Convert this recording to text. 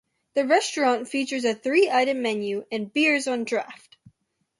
The restaurant features a three-item menu and beers on draft.